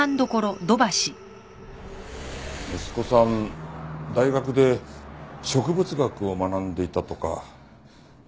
息子さん大学で植物学を学んでいたとか。